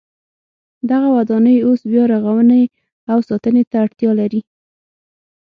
دغه ودانۍ اوس بیا رغونې او ساتنې ته اړتیا لري.